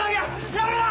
やめろ！